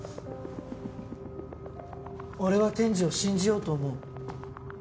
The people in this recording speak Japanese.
俺は天智を信じようと思う。